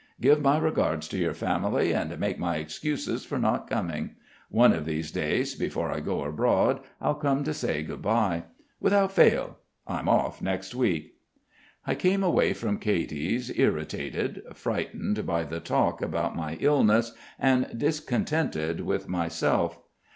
Give my regards to your family and make my excuses for not coming. One of these days, before I go abroad, I'll come to say good bye. Without fail. I'm off next week." I came away from Katy's irritated, frightened by the talk about my illness and discontented with myself.